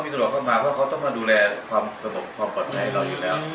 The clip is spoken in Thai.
ตำรวจเข้ามาเพราะเขาต้องมาดูแลความความปลอดภัยให้เราอยู่แล้ว